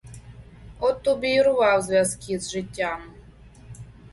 От тобі й урвав зв'язки з життям!